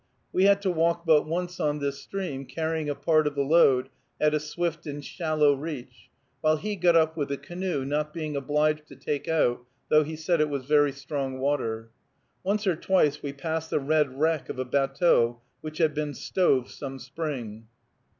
We had to walk but once on this stream, carrying a part of the load, at a swift and shallow reach, while he got up with the canoe, not being obliged to take out, though he said it was very strong water. Once or twice we passed the red wreck of a batteau which had been stove some spring.